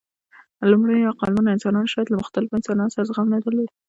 لومړنیو عقلمنو انسانانو شاید له مختلفو انسانانو سره زغم نه درلود.